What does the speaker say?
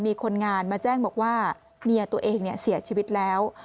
มีคนงานมาแจ้งบอกว่าเมียตัวเองเสียชีวิตแล้ว